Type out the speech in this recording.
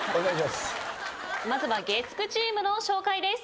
まずは月９チームの紹介です。